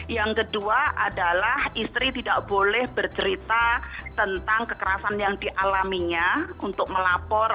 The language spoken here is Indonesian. yang kedua adalah istri tidak boleh bercerita tentang kekerasan yang dialaminya untuk melapor